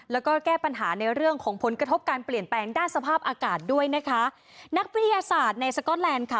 แล้วก็แก้ปัญหาในเรื่องของผลกระทบการเปลี่ยนแปลงด้านสภาพอากาศด้วยนะคะนักวิทยาศาสตร์ในสก๊อตแลนด์ค่ะ